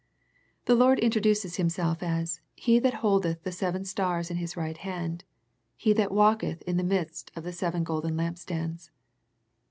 The Lord introduces Himself as " He that holdeth the seven stars in His right hand, He that walketh in the midst of the seven golden lampstands."